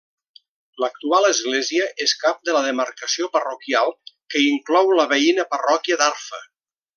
L'actual església és cap de la demarcació parroquial que inclou la veïna parròquia d'Arfa.